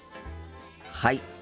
はい。